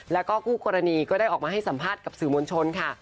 แล้วก็คู่กรณีก็ได้ออกมาให้สัมภาษณ์กับสื่อมวลชนค่ะ